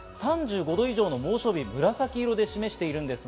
３５度以上の猛暑日、紫色で示しています。